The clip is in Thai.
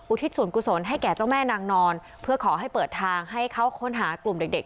ทิศส่วนกุศลให้แก่เจ้าแม่นางนอนเพื่อขอให้เปิดทางให้เขาค้นหากลุ่มเด็กเด็ก